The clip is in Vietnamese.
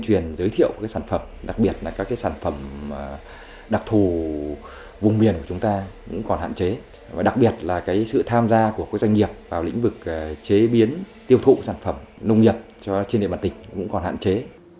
tiêu thụ sản phẩm nông nghiệp cho trên địa bàn tỉnh cũng còn hạn chế